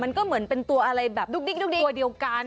มันก็เหมือนเป็นตัวอะไรแบบดุ๊กดิ๊กตัวเดียวกัน